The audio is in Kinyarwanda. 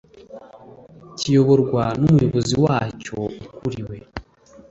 Kiyoborwa n Umuyobozi wacyo ukuriwe